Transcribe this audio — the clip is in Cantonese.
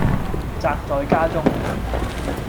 宅在家中